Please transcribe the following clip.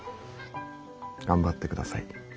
頑張ってください。